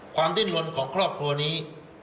ดิ้นลนของครอบครัวนี้